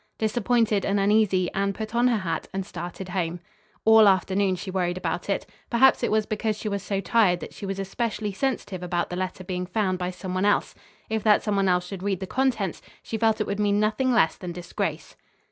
Disappointed and uneasy Anne put on her hat and started home. All afternoon she worried about it. Perhaps it was because she was so tired that she was especially sensitive about the letter being found by some one else. If that some one else should read the contents, she felt it would mean nothing lees than disgrace.